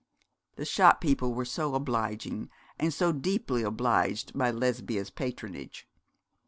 The shop people were so obliging, and so deeply obliged by Lesbia's patronage.